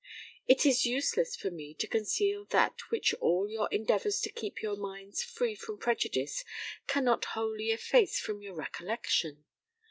It is useless for me to conceal that which all your endeavours to keep your minds free from prejudice cannot wholly efface from your recollection.